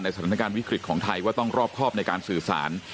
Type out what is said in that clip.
สถานการณ์วิกฤตของไทยว่าต้องรอบครอบในการสื่อสาร